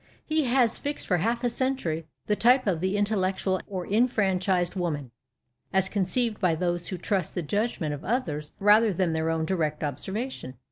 He " has fixed for half a century the type of the intellectual or enfranchised woman, as conceived by those who trust the judgment of others rather than their own direct observation."